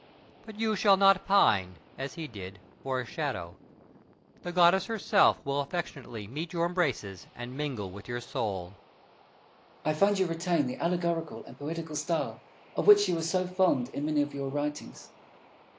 But you shall not pine, as he did, for a shadow. The goddess herself will affectionately meet your embraces and mingle with your soul. Fenelon. I find you retain the allegorical and poetical style, of which you were so fond in many of your writings.